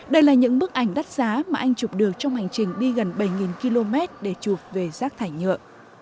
đây là những bức ảnh đắt giá mà anh chụp được trong hành trình đi gần bảy km để chụp về giác thải nhựa